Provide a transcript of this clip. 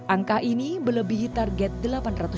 angka ini melebihi target delapan ratus